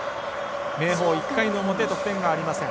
明豊、１回の表得点がありません。